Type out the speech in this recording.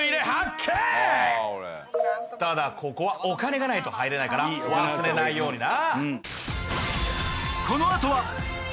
ただここはお金がないと入れないから忘れないようにな